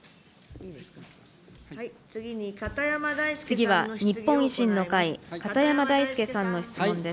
次は、日本維新の会、片山大介さんの質問です。